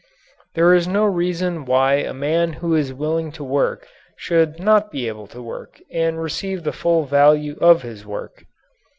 There is no reason why a man who is willing to work should not be able to work and to receive the full value of his work.